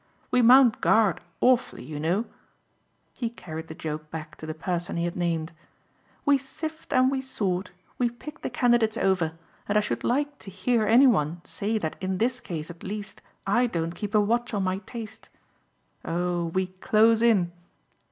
We mount guard awfully, you know" he carried the joke back to the person he had named. "We sift and we sort, we pick the candidates over, and I should like to hear any one say that in this case at least I don't keep a watch on my taste. Oh we close in!"